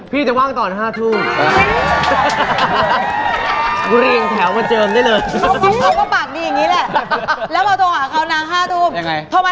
พี่เอกจะเจิมซิม